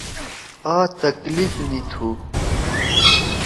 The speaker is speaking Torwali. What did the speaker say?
آ تکلیف می تُھو۔